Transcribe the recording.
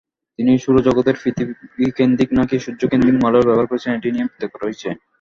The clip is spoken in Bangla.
তিনি সৌরজগতের পৃথিবীকেন্দ্রিক নাকি সূর্যকেন্দ্রিক মডেল ব্যবহার করেছিলেন সেটি নিয়ে বিতর্ক রয়েছে।